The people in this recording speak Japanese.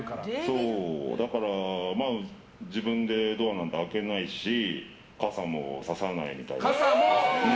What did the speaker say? だから自分でドアなんて開けないし傘もささないみたいな。